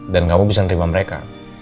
dan kamu bisa nerima mereka